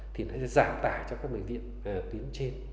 thì nó sẽ giảm tải cho các bệnh viện tuyến trên